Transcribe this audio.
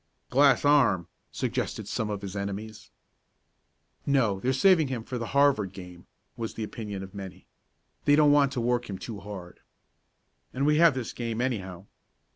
"Glass arm," suggested some of his enemies. "No, they're saving him for the Harvard game," was the opinion of many. "They don't want to work him too hard." "And we have this game anyhow."